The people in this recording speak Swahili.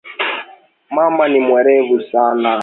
Mama ni mwerevu sana.